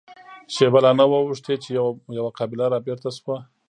شېبه لا نه وه اوښتې چې يوه قابله را بېرته شوه.